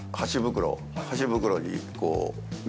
箸袋にこう。